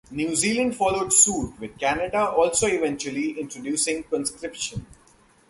New Zealand followed suit, with Canada also eventually introducing conscription.